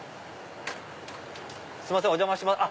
すいませんお邪魔します。